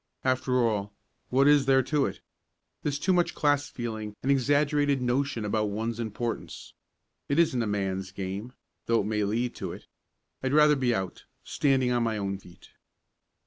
After all, what is there to it? There's too much class feeling and exaggerated notion about one's importance. It isn't a man's game though it may lead to it. I'd rather be out standing on my own feet.